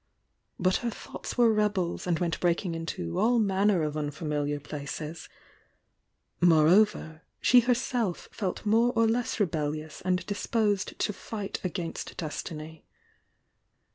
But her thoughts were rebels and went breaking into all manner of unfamiliar places, — moreover, she herself felt more or less rebellious and disposed to fight against des tiny.